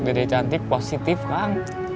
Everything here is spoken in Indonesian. dede cantik positif kang